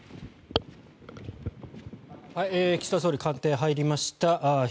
岸田総理官邸に入りました。